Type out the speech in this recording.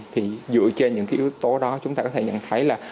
thì dựa trên những cái yếu tố đó chúng ta có thể nhận thấy là